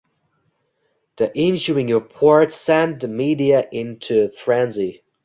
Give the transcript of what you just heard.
The ensuing report sent the media into frenzy.